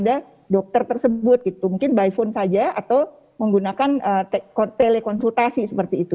jadi itu bisa diberikan kepada dokter tersebut gitu mungkin by phone saja atau menggunakan telekonsultasi seperti itu